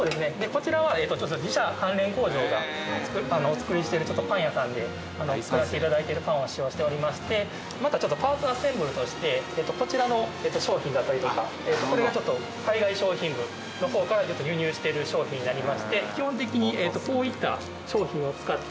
こちらは自社関連工場がお作りしているパン屋さんで作らせて頂いているパンを使用しておりましてまたちょっとパーツアッセンブルとしてこちらの商品だったりとかこれがちょっと海外商品部の方から輸入している商品になりまして。